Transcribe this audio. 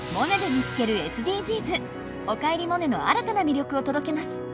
「おかえりモネ」の新たな魅力を届けます。